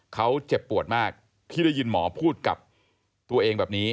เขาเจ็บปวดมากที่ได้ยินหมอพูดกับตัวเองแบบนี้